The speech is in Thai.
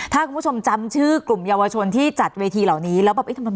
ถ้าคุณผู้ชมจำชื่อกลุ่มเยาวชนที่จัดเวทีเหล่านี้แล้วแบบเอ๊ะทำไม